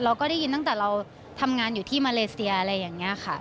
เราก็ได้ยินตั้งแต่เราทำงานอยู่ที่มาเลเซียอะไรอย่างนี้ค่ะ